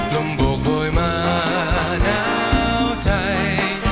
ลมโบกโบยมานาวไทย